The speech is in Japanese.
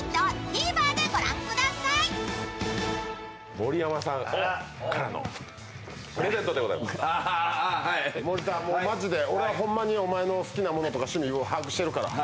盛山さんからのプレゼントでございます森田、もうマジで俺はほんまにお前の好きなものとか趣味を把握してるから。